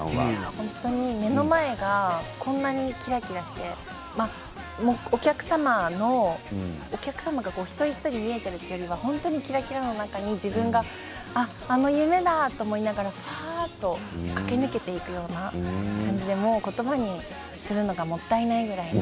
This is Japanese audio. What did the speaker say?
本当に目の前がこんなにキラキラしてお客様が一人一人見えているというよりは本当にキラキラの中に自分があの夢だ！と思いながらふわっと駆け抜けていくような感じでもうことばにするのがもったいないぐらいな。